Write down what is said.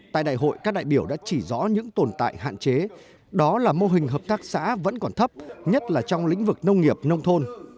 tại đại hội các đại biểu đã chỉ rõ những tồn tại hạn chế đó là mô hình hợp tác xã vẫn còn thấp nhất là trong lĩnh vực nông nghiệp nông thôn